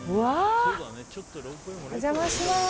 お邪魔します。